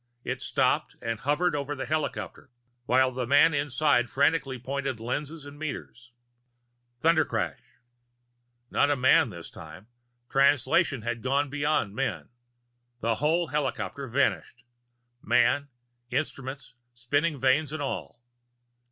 It stopped and hovered over the helicopter, while the man inside frantically pointed lenses and meters Thundercrash. Not a man this time Translation had gone beyond men. The whole helicopter vanished, man, instruments, spinning vanes and all.